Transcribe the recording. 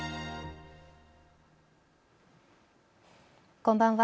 こんばんは。